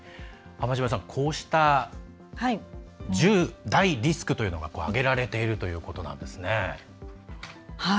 浜島さん、こうした１０大リスクというのが挙げられているということなんですね。